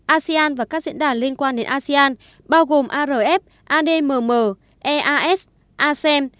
asean và các diễn đàn liên quan đến asean bao gồm arf admm eas asem